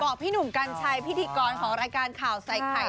พี่หนุ่มกัญชัยพิธีกรของรายการข่าวใส่ไข่